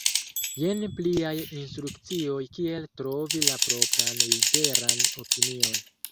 Jen pliaj instrukcioj kiel trovi la propran liberan opinion!